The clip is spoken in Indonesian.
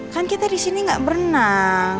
kan kita di sini nggak berenang